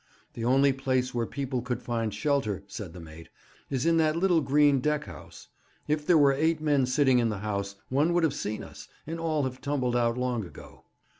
'The only place where people could find shelter,' said the mate, 'is in that little green deck house. If there were eight men sitting in the house, one would have seen us, and all have tumbled out long ago.'